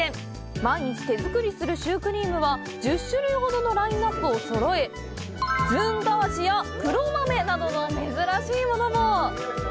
毎日手作りするシュークリームは１０種類ほどのラインナップをそろえずんだ味や黒豆などの珍しいものも。